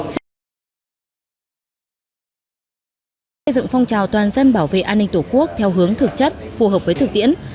xây dựng phong trào toàn dân bảo vệ an ninh tổ quốc theo hướng thực chất phù hợp với thực tiễn